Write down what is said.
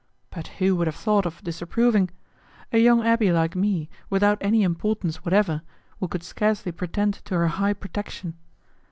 But who would have thought of disapproving? A young abbé like me, without any importance whatever, who could scarcely pretend to her high protection!